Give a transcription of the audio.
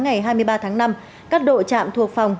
ngày hai mươi ba tháng năm các đội trạm thuộc phòng